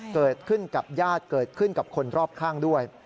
เกิดขึ้นกับญาติเกิดขึ้นกับคนรอบข้างด้วย